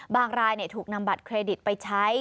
รายถูกนำบัตรเครดิตไปใช้